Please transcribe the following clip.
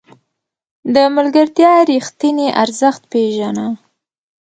د ملګرتیا رښتیني ارزښت پېژنه.